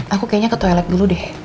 aku kayaknya ke toilet dulu deh